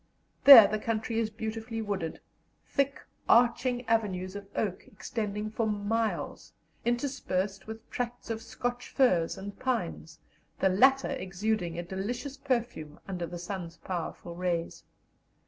There the country is beautifully wooded, thick arching avenues of oak extending for miles, interspersed with tracts of Scotch firs and pines, the latter exhaling a delicious perfume under the sun's powerful rays.